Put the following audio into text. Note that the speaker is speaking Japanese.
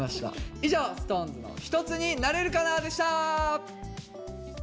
以上ＳｉｘＴＯＮＥＳの「ひとつになれるかなぁ！？」でした。